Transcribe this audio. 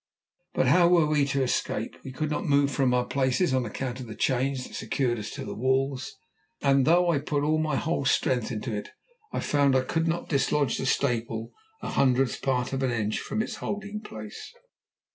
But how were, we to escape? We could not move from our places on account of the chains that secured us to the walls, and, though I put all my whole strength into it, I found I could not dislodge the staple a hundredth part of an inch from its holding place.